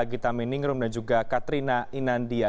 gita meningrum dan juga katrina inandia